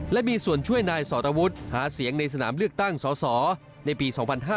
และมีส่วนช่วยนายสรวุฒิหาเสียงในสนามเลือกตั้งสสในปี๒๕๕๙